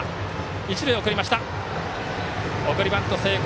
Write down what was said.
送りバント成功。